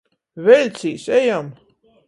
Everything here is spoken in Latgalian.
Veļcīs, ejam!